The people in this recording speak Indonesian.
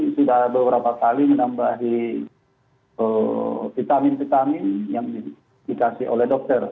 sudah beberapa kali menambah vitamin vitamin yang dikasih oleh dokter